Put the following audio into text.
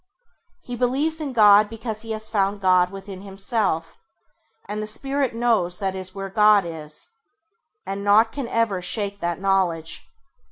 He believes in God because he has found God within himself, and the Spirit knows that is where God is, and naught can ever shake that knowledge.